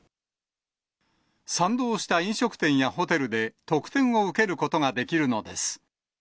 賛同した飲食店やホテルで特典を受けることができるのです。